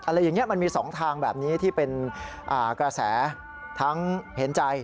อะไรอย่างนี้มันมี๒ทางแบบนี้ที่เป็นกระแสทั้งเห็นใจ